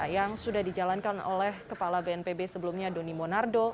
yang sudah dijalankan oleh kepala bnpb sebelumnya doni monardo